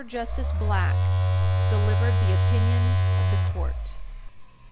JUSTICE BLACK delivered the opinion of the Court.